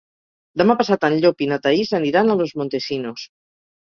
Demà passat en Llop i na Thaís aniran a Los Montesinos.